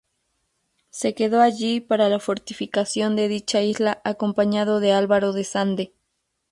Se quedó allí para la fortificación de dicha isla acompañado de Álvaro de Sande.